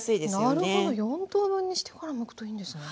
なるほど４等分にしてからむくといいんですね。